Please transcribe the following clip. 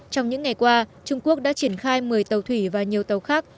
trong những ngày qua trung quốc đã triển khai một mươi tàu thủy và nhiều tàu khác